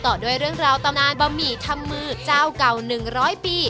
ต่อด้วยเรื่องราวตำนานบะหมี่ทำมือเจ้าเก่า๑๐๐ปี